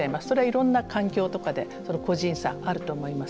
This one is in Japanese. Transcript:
それはいろんな環境とかで個人差があると思います。